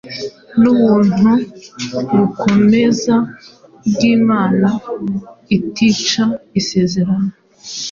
n’ubuntu bukomeza bw’Imana itica isezerano,